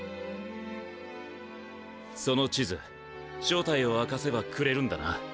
その地図正体を明かせばくれるんだな？